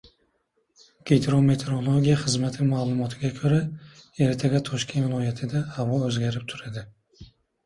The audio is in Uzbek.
Gidrometeorologiya xizmati maʼlumotiga koʻra, ertaga Toshkent viloyatida havo oʻzgarib turadi.